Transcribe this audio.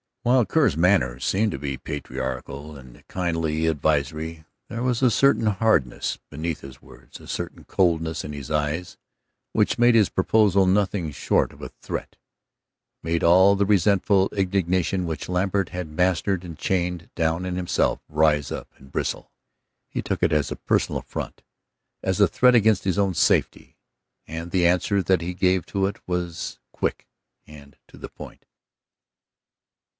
While Kerr's manner seemed to be patriarchal and kindly advisory, there was a certain hardness beneath his words, a certain coldness in his eyes which made his proposal nothing short of a threat. It made all the resentful indignation which Lambert had mastered and chained down in himself rise up and bristle. He took it as a personal affront, as a threat against his own safety, and the answer that he gave to it was quick and to the point.